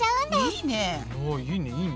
いいねいいね。